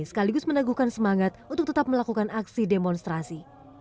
sekaligus meneguhkan semangat untuk tetap melakukan aksi demonstrasi